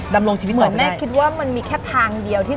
ดำลงชีวิตต่อไปได้